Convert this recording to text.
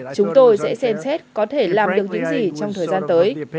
chúng tôi sẽ xem xét có thể làm được những gì trong thời gian tới